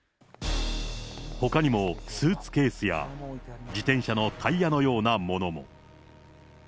ほかにもスーツケースや自転車のタイヤのようなものも。